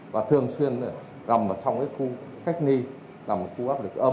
và thường xuyên gặp trong khu cách nghi gặp trong khu áp lực âm